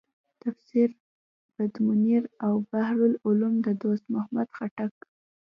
تفسیر بدرمنیر او بحر العلوم د دوست محمد خټک.